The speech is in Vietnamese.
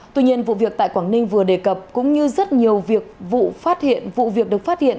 tuy nhiên vụ việc tại quảng ninh vừa đề cập cũng như rất nhiều vụ việc được phát hiện